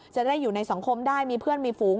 จะได้อยู่ในสังคมได้มีเพื่อนมีฝูง